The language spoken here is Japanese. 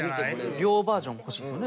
両バージョン欲しいですよね。